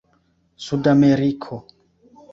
sudameriko